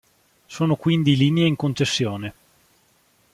Sono quindi linee in concessione.